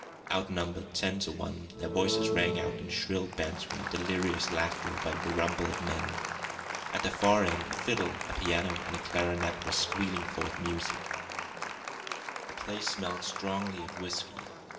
Outnumbered ten to one, their voices rang out in shrill banter and delirious laughter above the rumble of men. At the far end, a fiddle, a piano, and a clarinet were squealing forth music. The place smelled strongly of whisky.